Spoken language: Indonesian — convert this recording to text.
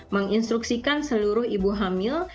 menginstruksikan seluruh ibu hamil